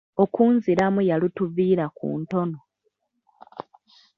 Okunziramu yalutuviira ku ntono.